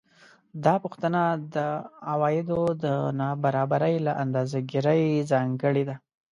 دا پوښتنه د عوایدو د نابرابرۍ له اندازه ګیرۍ ځانګړې ده